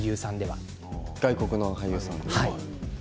外国の俳優さんですか。